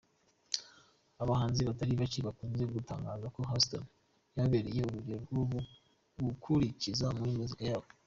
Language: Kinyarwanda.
Abahanzi batari bake bakunze gutangaza ko Houston yababereye urugero rwo gukurikiza muri muzika yabo.